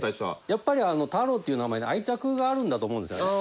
やっぱり「太郎」っていう名前に愛着があるんだと思うんですよね。